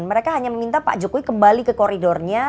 mereka hanya meminta pak jokowi kembali ke koridornya